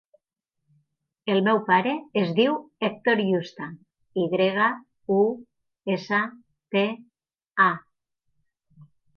El meu pare es diu Hèctor Yusta: i grega, u, essa, te, a.